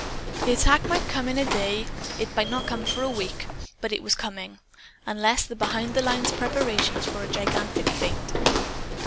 The attack might come in a day. It might not come in a week. But it was coming unless the behind the lines preparations were a gigantic feint.